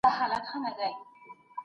د یو ځوان ښایست په علم او هنر سره دېرېږي